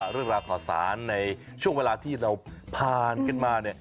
เรื่องราวข่าวสารในช่วงเวลาที่เราผ่านกันมาเนี่ย